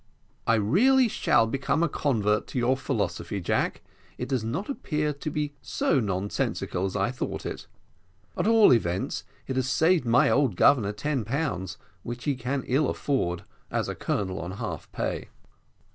"I really shall become a convert to your philosophy, Jack; it does not appear to be so nonsensical as I thought it. At all events it has saved my old governor ten pounds, which he can ill afford, as a colonel on half pay."